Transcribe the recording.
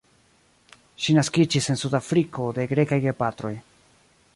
Ŝi naskiĝis en Sudafriko de grekaj gepatroj.